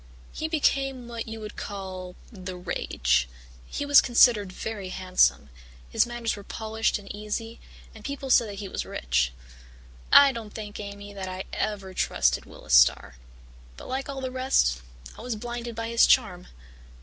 He became what you would call the rage. He was considered very handsome, his manners were polished and easy, and people said he was rich. "I don't think, Amy, that I ever trusted Willis Starr. But like all the rest, I was blinded by his charm.